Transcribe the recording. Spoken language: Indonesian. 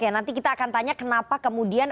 oke nanti kita akan tanya kenapa kemudian